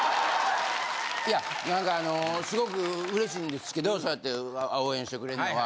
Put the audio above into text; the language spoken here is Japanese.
いや何かあのすごく嬉しいんですけどそうやって応援してくれんのは。